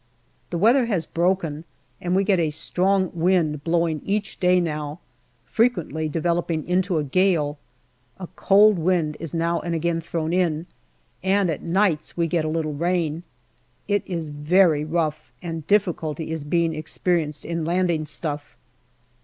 The weather has broken, and we get a strong wind blowing each day now, frequently developing into a gale. A cold wind is now and again thrown in, and at nights we get a little rain. It is very rough, and difficulty is being experienced in landing stuff.